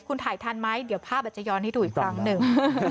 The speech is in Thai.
คุณถ่ายทันไหมเดี๋ยวภาพอาจจะย้อนให้ดูอีกครั้งหนึ่ง